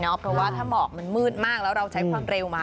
เพราะว่าถ้าหมอกมันมืดมากแล้วเราใช้ความเร็วมา